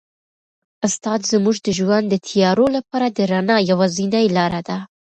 استاد زموږ د ژوند د تیارو لپاره د رڼا یوازینۍ لاره ده.